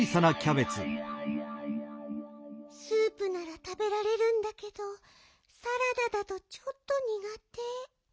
スープならたべられるんだけどサラダだとちょっとにがて。